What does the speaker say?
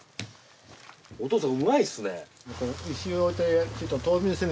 お父さんうまいですね。